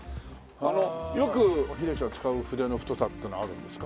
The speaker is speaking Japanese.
よく英樹さんが使う筆の太さっていうのはあるんですか？